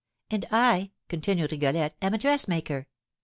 "And I," continued Rigolette, "am a dressmaker.